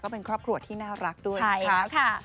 ก็เป็นครอบครัวที่น่ารักด้วยนะคะใช่นะคะ